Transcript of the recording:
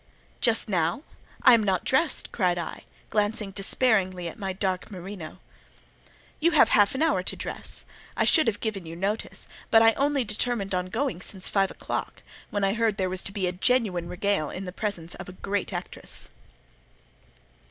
"Just now? I am not dressed," cried I, glancing despairingly at my dark merino. "You have half an hour to dress. I should have given you notice, but I only determined on going since five o'clock, when I heard there was to be a genuine regale in the presence of a great actress."